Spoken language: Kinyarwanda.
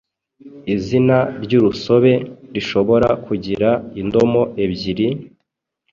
Izina ry’urusobe rishobora kugira indomo ebyiri,